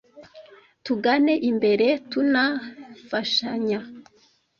Tugane imbere tuna fashyamya.